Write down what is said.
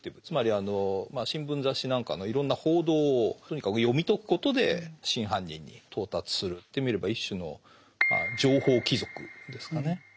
つまり新聞雑誌なんかのいろんな報道をとにかく読み解くことで真犯人に到達する言ってみれば一種の情報貴族ですかね。